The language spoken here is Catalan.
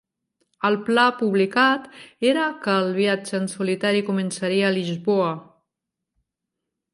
El pla publicat era que el viatge en solitari començaria a Lisboa.